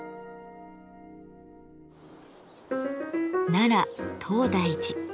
奈良東大寺。